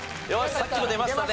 さっきも出ましたね。